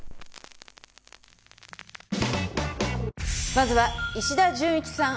まずは石田純一さん